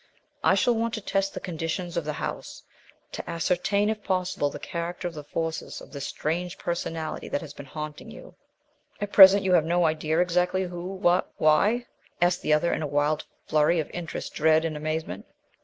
I shall want to test the conditions of the house to ascertain, if possible, the character of the forces, of this strange personality that has been haunting you " "At present you have no idea exactly who what why " asked the other in a wild flurry of interest, dread and amazement.